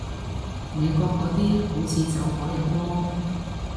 美國嗰啲好似走火入魔